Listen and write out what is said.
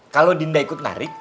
kalau dinda ikut nari